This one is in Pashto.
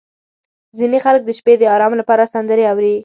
• ځینې خلک د شپې د ارام لپاره سندرې اوري.